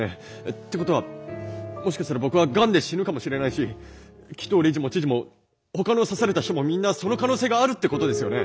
ってことはもしかしたら僕はがんで死ぬかもしれないし鬼頭理事も知事もほかの刺された人もみんなその可能性があるってことですよね。